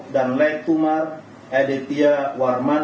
dan letumar edetia warman